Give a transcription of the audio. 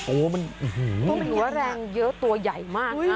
โอ้มันหัวแรงเยอะตัวใหญ่มาก